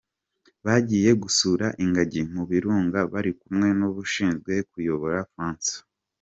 Bagiye gusura ingagi mu birunga bari kumwe n’ushinzwe kubayobora, Francois.